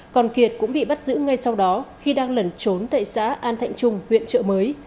còn kiệt cũng bị bắt giữ ngay sau đó khi đang lẩn trốn tại xã an thạnh trung huyện trợ mới